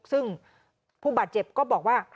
ซึ่งผู้บาดเจ็บก็บอกว่า